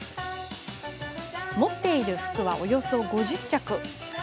持っている服は、およそ５０着。